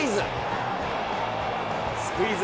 スクイズ。